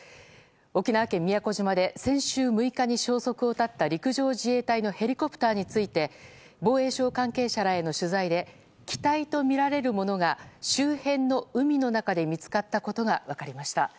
沖縄県宮古島で先週６日に消息を絶った陸上自衛隊のヘリコプターについて防衛省関係者らへの取材で機体とみられるものが周辺の海の中で見つかったことが分かりました。